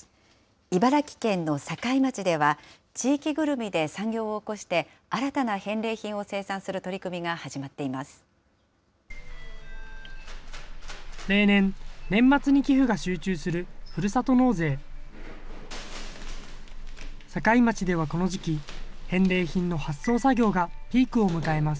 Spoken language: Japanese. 茨城県の境町では、地域ぐるみで産業を興して、新たな返礼品を生産する取り組みが始まっています。